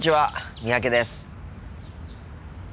三宅です。